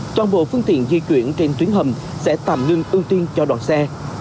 toàn bộ phương tiện di chuyển trên tuyến hầm sẽ tạm ngưng ưu tiên cho đoàn xe